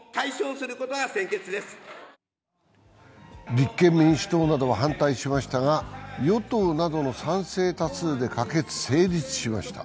立憲民主党などは反対しましたが与党などの賛成多数で可決・成立しました。